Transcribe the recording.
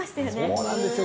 そうなんですよ。